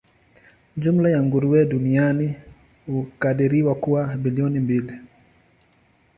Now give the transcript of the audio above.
Jumla ya nguruwe duniani hukadiriwa kuwa bilioni mbili.